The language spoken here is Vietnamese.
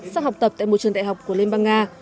sang học tập tại một trường đại học của liên bang nga